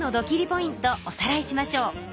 ポイントおさらいしましょう。